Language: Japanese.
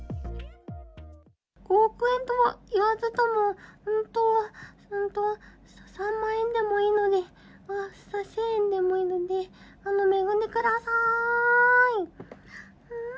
５億円とは言わずとも、本当は、本当は、３万円でもいいので、１０００円でもいいので、恵んでくださーい！